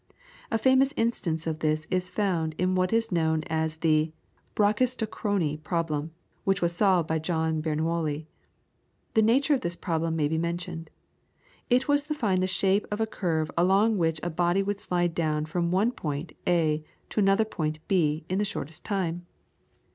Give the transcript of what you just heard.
A famous instance of this is found in what is known as the Brachistochrone problem, which was solved by John Bernouilli. The nature of this problem may be mentioned. It was to find the shape of the curve along which a body would slide down from one point (A) to another point (B) in the shortest time.